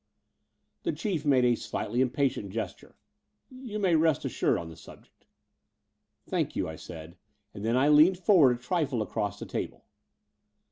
The Chief made a slightly impatient gesture. "You may rest assured on the subject." "Thank you," I said: and then I leant forward a trifle across the table.